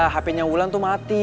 hp nya wulan tuh mati